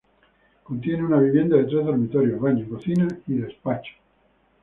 Contiene una vivienda de tres dormitorios, baño, cocina y despacho.